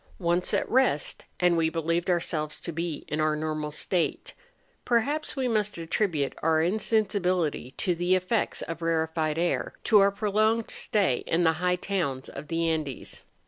Once at rest, and we believed ourselves to be in our normal state ; perhaps we must attribute our insen¬ sibility to the effects of rarefied air, to our prolonged stay in the high towns of the Andes.